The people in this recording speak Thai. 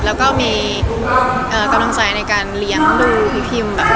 แล้วก็มีกำลังใจในการเลี้ยงดูพี่พิมแบบ